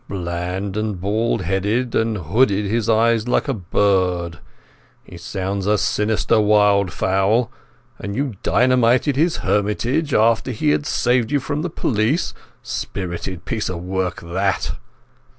"Bland and bald headed and hooded his eyes like a bird.... He sounds a sinister wild fowl! And you dynamited his hermitage, after he had saved you from the police. Spirited piece of work, that!"